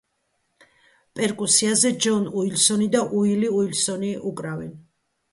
პერკუსიაზე ჯონ უილსონი და უილი უილსონი უკრავენ.